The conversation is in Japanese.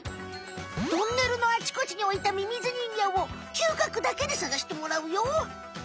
トンネルのあちこちにおいたミミズ人形を嗅覚だけでさがしてもらうよ！